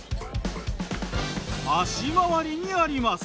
足回りにあります。